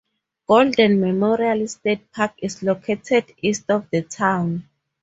Golden Memorial State Park is located east of the town.